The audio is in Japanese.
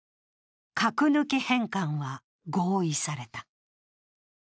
核抜き返還は合意された。